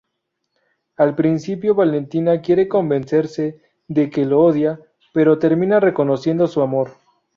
Al principio Valentina quiere convencerse de que lo odia, pero termina reconociendo su amor.